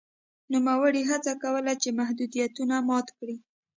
نوموړي هڅه کوله چې محدودیتونه مات کړي.